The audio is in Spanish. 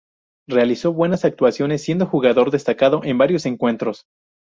Realizó buenas actuaciones siendo jugador destacado en varios encuentros.